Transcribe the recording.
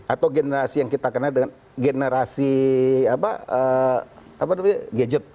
atau generasi yang kita kenal dengan generasi gadget